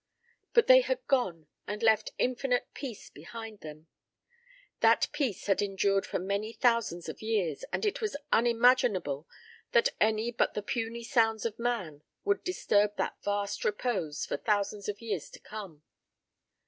But they had gone, and left infinite peace behind them. That peace had endured for many thousands of years and it was unimaginable that any but the puny sounds of man would disturb that vast repose for thousands of years to come.